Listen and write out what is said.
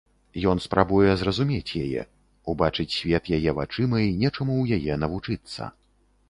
Ён спрабуе зразумець яе, убачыць свет яе вачыма і нечаму ў яе навучыцца.